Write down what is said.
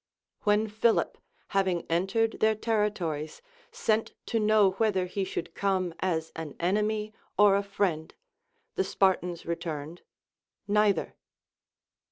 When Philip, having entered their territories, sent to know whether he should come as an enemy or a friend, the Spartans returned, Neither.